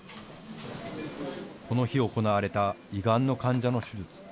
この日、行われた胃がんの患者の手術。